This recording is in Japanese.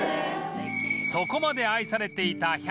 そこまで愛されていた１００円